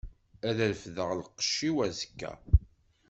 Ad refdeɣ lqecc-iw azekka.